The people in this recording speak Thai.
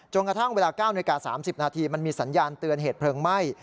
กระทั่งเวลา๙นาฬิกา๓๐นาทีมันมีสัญญาณเตือนเหตุเพลิงไหม้